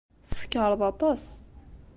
Tsekṛeḍ aṭas.